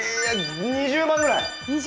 ２０万ぐらいの？